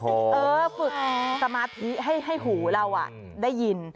ฝึกสมาธิให้หูเราได้ยิน